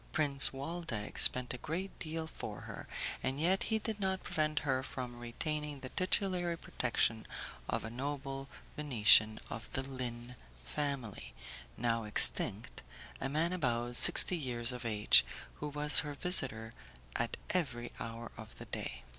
Prince Waldeck spent a great deal for her, and yet he did not prevent her from retaining the titulary protection of a noble Venetian of the Lin family, now extinct, a man about sixty years of age, who was her visitor at every hour of the day.